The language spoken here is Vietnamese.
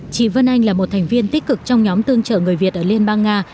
chị vân anh là một thành viên tích cực trong nhóm tương trợ người việt ở liên bang nga